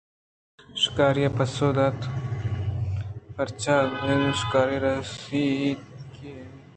شِکاری ءَ پسّہ دات پرچہ؟ گُڑاکپینجر ءَ شکاری ءَ را پسّہ پِرگردینتتو بیدے منی ءَ دیم ئے رَندا مُرگاں چوں گِرئے؟